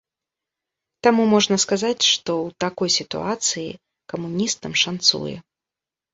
Таму можна сказаць, што ў такой сітуацыі камуністам шанцуе.